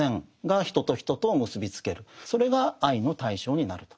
それが愛の対象になると。